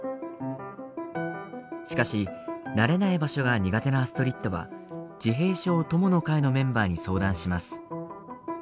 しかし、慣れない場所が苦手なアストリッドは自閉症友の会のメンバーに相談します。